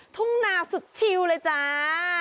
ทุ่งนาสุดชิวเลยจ้า